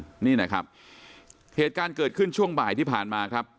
นี่นะครับเหตุการณ์เกิดขึ้นช่วงบ่ายที่ผ่านมาครับ